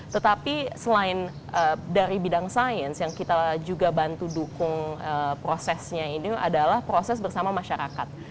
tetapi selain dari bidang sains yang kita juga bantu dukung prosesnya ini adalah proses bersama masyarakat